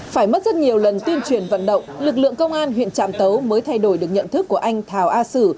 phải mất rất nhiều lần tuyên truyền vận động lực lượng công an huyện trạm tấu mới thay đổi được nhận thức của anh thảo a sử